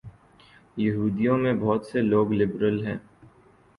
یہودیوں میں بہت سے لوگ لبرل ہیں۔